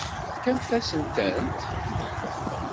Tefkamt-asen-tent?